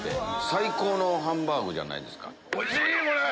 最高のハンバーグじゃないですか。